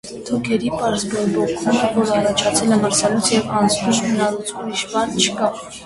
Թոքերի պարզ բորբոքում է, որ առաջացել է մրսելուց և անզգույշ մնալուց, ուրիշ բան չկա: